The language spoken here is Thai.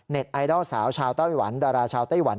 เน็ตไอดอลสาวชาวเต้าหวันดาราชาวเต้าหวัน